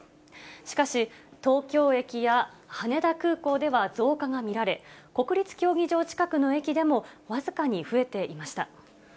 しかし、東京駅や羽田空港では増加が見られ、国立競技場近くの駅でも僅かに増えていました。